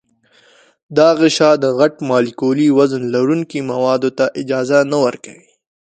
دا غشا د غټ مالیکولي وزن لرونکو موادو ته اجازه نه ورکوي.